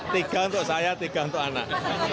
tiga untuk saya tiga untuk anak